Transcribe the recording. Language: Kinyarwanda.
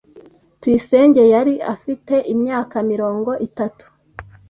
Tuyisenge yari afite imyaka mirongo itatu.